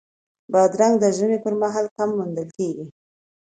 بادرنګ د ژمي پر مهال کم موندل کېږي.